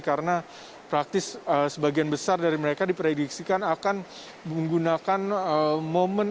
karena praktis sebagian besar dari mereka diprediksikan akan menggunakan momen